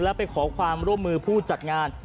แล้วไปขอความร่วมมือผู้จัดงาน